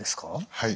はい。